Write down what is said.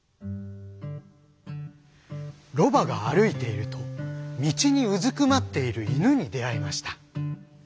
ロバが歩いていると道にうずくまっている犬に出会いました。